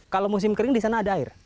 kalau musim kering di sana ada air